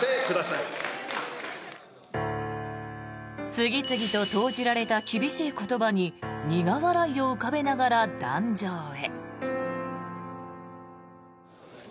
次々と投じられた厳しい言葉に苦笑いを浮かべながら壇上へ。